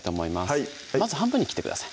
はいまず半分に切ってください